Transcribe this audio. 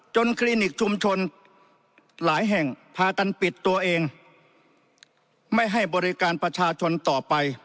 คลินิกชุมชนหลายแห่งพากันปิดตัวเองไม่ให้บริการประชาชนต่อไป